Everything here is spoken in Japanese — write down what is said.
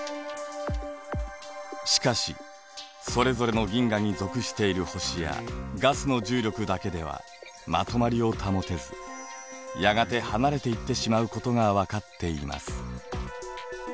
しかしそれぞれの銀河に属している星やガスの重力だけではまとまりを保てずやがて離れていってしまうことが分かっています。